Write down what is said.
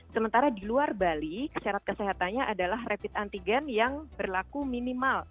sementara di luar bali syarat kesehatannya adalah rapid antigen yang berlaku minimal